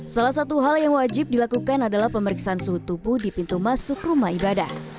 salah satu hal yang wajib dilakukan adalah pemeriksaan suhu tubuh di pintu masuk rumah ibadah